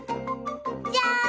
じゃん！